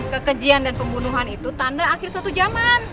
kekejian dan pembunuhan itu tanda akhir suatu zaman